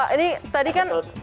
ini tadi kan